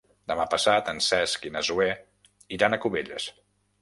Demà passat en Cesc i na Zoè iran a Cubelles.